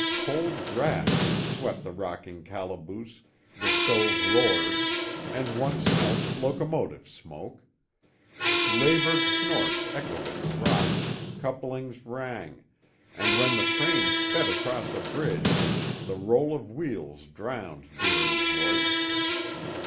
Cold draughts swept the rocking calaboose, the stove roared, and one smelt locomotive smoke. Labored snorts echoed in the rocks, couplings rang, and when the train sped across a bridge the roll of wheels drowned Deering's voice.